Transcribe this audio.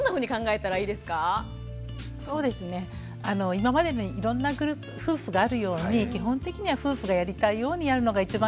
今までにいろんな夫婦があるように基本的には夫婦がやりたいようにやるのが一番いいのかなと思います。